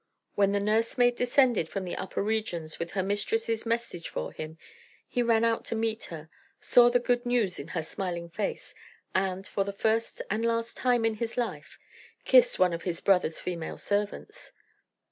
When the nursemaid descended from the upper regions with her mistress's message for him, he ran out to meet her; saw the good news in her smiling face; and, for the first and last time in his life kissed one of his brother's female servants.